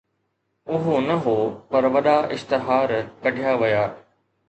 اهو نه هو، پر وڏا اشتهار ڪڍيا ويا